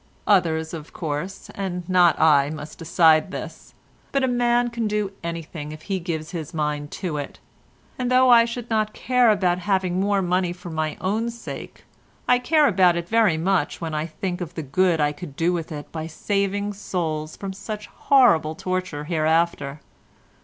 Others, of course, and not I, must decide this; but a man can do anything if he gives his mind to it, and though I should not care about having more money for my own sake, I care about it very much when I think of the good I could do with it by saving souls from such horrible torture hereafter.